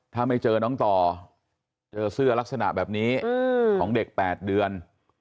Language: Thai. ถ้าไม่เจอน้องต่อเจอเสื้อลักษณะแบบนี้ของเด็ก๘เดือน